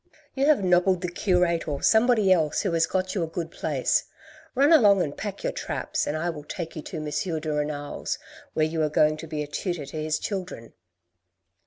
You have nobbled the curate, or somebody else, who has got you a good place. Run along and pack your traps, and I will take you to M. de Renal's, where you are going to be tutor to his children."